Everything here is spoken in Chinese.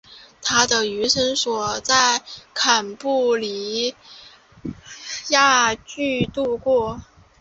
他的余生都在坎布里亚郡度过。